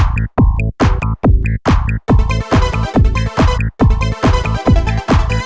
ตอนนี้อะไรครับ